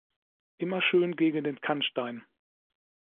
Immer schön gegen den Kantstein!